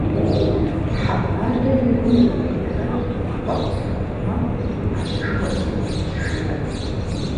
Хьэбалэ и гум ириубыдат, къуэ къысхуэхъумэ, ӏэщышхуэ сыукӏынщ жиӏэри.